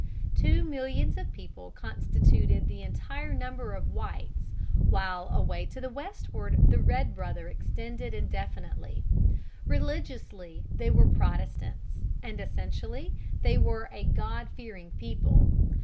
Two millions of people constituted the entire number of whites, while away to the westward the red brother extended indefinitely. Religiously they were Protestants, and essentially they were "a God fearing people."